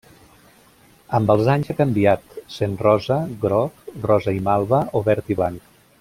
Amb els anys ha canviat, sent rosa, groc, rosa i malva o verd i blanc.